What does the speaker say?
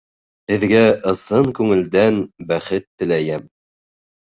Һеҙгә ысын күңелдән бәхет теләйем!